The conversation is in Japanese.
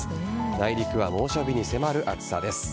内陸は猛暑日に迫る暑さで。